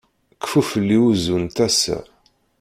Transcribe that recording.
Kfu fell-i uzzu n tasa.